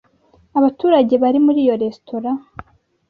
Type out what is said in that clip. Abaturage bari muri iyo resitora